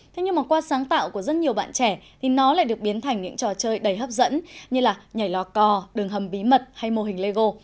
thế nhưng mà qua sáng tạo của rất nhiều bạn trẻ thì nó lại được biến thành những trò chơi đầy hấp dẫn như là nhảy lò cò đường hầm bí mật hay mô hình lego